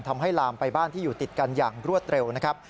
ลามไปบ้านที่อยู่ติดกันอย่างรวดเร็วนะครับ